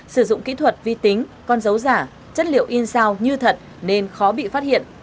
sử dụng kỹ thuật vi tính con dấu giả chất liệu in sao như thật nên khó bị phát hiện